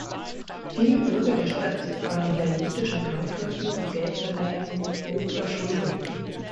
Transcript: Viele Bürger der Stadt waren bei jüdischen Kaufleuten und Geldverleihern hoch verschuldet.